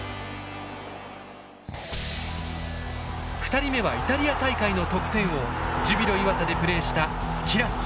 ２人目はイタリア大会の得点王ジュビロ磐田でプレーしたスキラッチ。